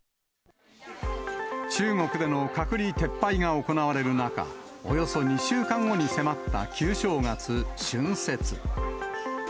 中国での隔離撤廃が行われる中、およそ２週間後に迫った旧正月・春節。